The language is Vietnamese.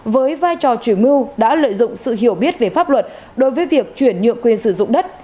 với vai trò chủ mưu đã lợi dụng sự hiểu biết về pháp luật đối với việc chuyển nhượng quyền sử dụng đất